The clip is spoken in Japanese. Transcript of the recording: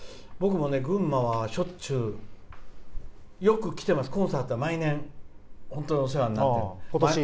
僕もね、群馬はしょっちゅう、よく来てますコンサートは毎年本当にお世話になってる。